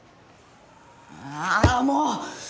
ああもう！